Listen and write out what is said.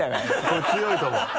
これ強いと思う。